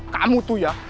kamu tuh ya